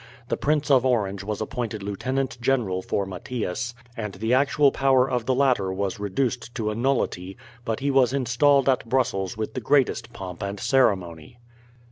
The Prince of Orange was appointed lieutenant general for Mathias, and the actual power of the latter was reduced to a nullity, but he was installed at Brussels with the greatest pomp and ceremony.